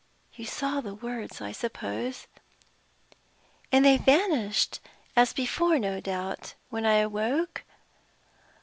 You saw the words, I suppose? and they vanished, as before, no doubt, when I awoke?